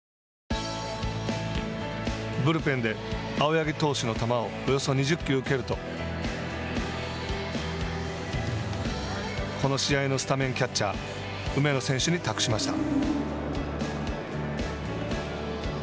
ブルペンで青柳投手の球をおよそ２０球受けるとこの試合のスタメンキャッチャー梅野選手に託しました。